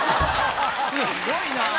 すごいな。